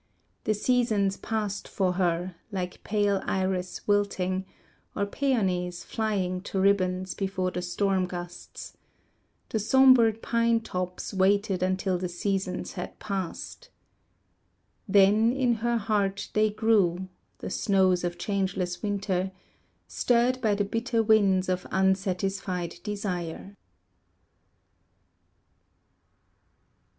The seasons passed for her, Like pale iris wilting, Or peonies flying to ribbons before the storm gusts. The sombre pine tops waited until the seasons had passed. Then in her heart they grew The snows of changeless winter Stirred by the bitter winds of unsatisfied desire.